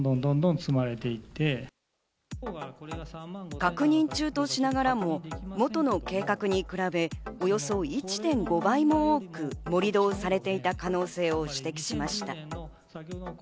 確認中としながらも、元の計画に比べ、およそ１．５倍も多く盛り土をされていた可能性を指摘しました。